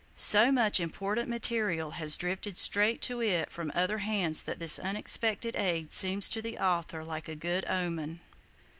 So much important material has drifted straight to it from other hands that this unexpected aid seems to the author like a good omen.